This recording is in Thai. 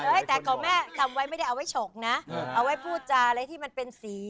แต่ก็แม่จำไว้ไม่ได้เอาไว้ฉกนะเอาไว้พูดจาอะไรที่มันเป็นสี